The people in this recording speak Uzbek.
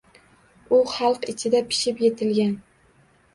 U xalq ichida pishib yetilgan.